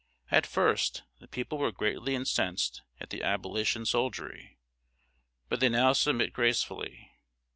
At first the people were greatly incensed at the "Abolition soldiery," but they now submit gracefully.